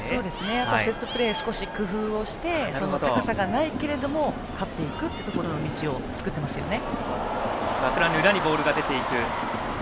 あとはセットプレーで少し工夫をして高さはないけれども勝っていくというところの道を作っていますね。